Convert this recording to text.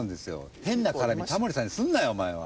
変な絡みタモリさんにするなよお前は。